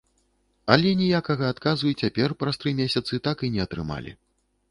Але ніякага адказу і цяпер, праз тры месяцы, так і не атрымалі.